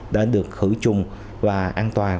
để được khử trùng và an toàn